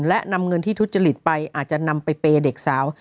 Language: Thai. และนำเงินที่ทุจริตไปอาจจะนำไปเปย์เด็กสาว